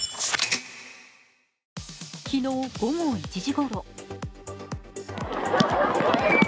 昨日午後１時ごろ。